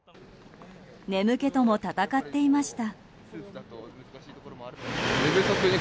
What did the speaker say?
眠気とも戦っていました。